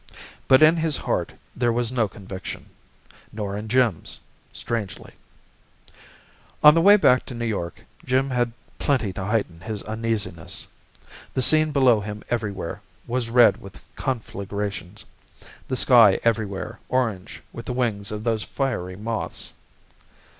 But in his heart there was no conviction, nor in Jim's, strangely. On the way back to New York, Jim had plenty to heighten his uneasiness. The scene below him everywhere was red with conflagrations, the sky everywhere orange with the wings of those fiery moths.